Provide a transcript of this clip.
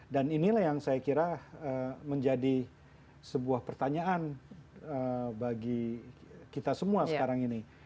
dan inilah yang saya kira menjadi sebuah pertanyaan bagi kita semua sekarang ini